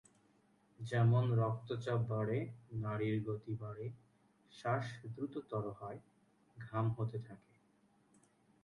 যেমন রক্তচাপ বাড়ে, নাড়ির গতি বাড়ে, শ্বাস দ্রুততর হয়, ঘাম হতে থাকে।